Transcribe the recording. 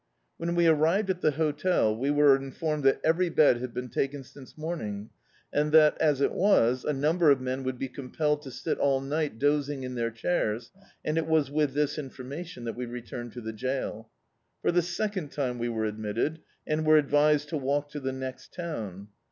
When we arrived at the hotel, we were informed that every bed had been taken since morning, and that, as it was, a number of men would be compelled to sit all night dozing m their diairs, and it was with this information that we returned to the jail. For the second time we were admitted, and were advised to walk to the next town.